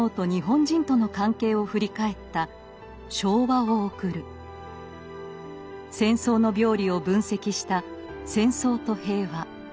戦争の病理を分析した「戦争と平和ある観察」。